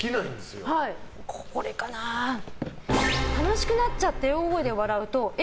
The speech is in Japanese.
楽しくなっちゃって大声で笑うとえ？